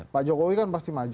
pak jokowi kan pasti maju